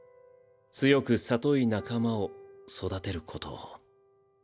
強く聡い仲間を育てることを。